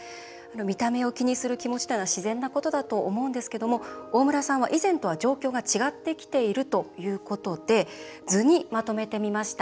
見た目を気にする気持ちというのは自然なことだと思うんですけども大村さんは以前とは状況が違ってきているということで図にまとめてみました。